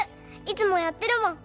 いつもやってるもん」